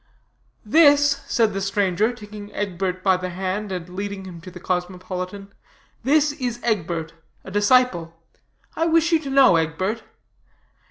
"This," said the stranger, taking Egbert by the hand and leading him to the cosmopolitan, "this is Egbert, a disciple. I wish you to know Egbert.